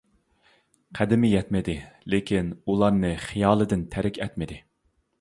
قەدىمى يەتمىدى، لېكىن ئۇلارنى خىيالىدىن تەرك ئەتمىدى.